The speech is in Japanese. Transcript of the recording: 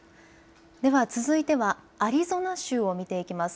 では続いてはアリゾナ州を見ていきます。